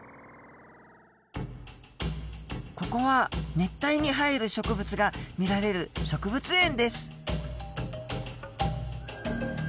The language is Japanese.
ここは熱帯に生える植物が見られる植物園です。